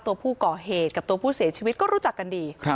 ตัวผู้ก่อเหตุกับตัวผู้เสียชีวิตก็รู้จักกันดี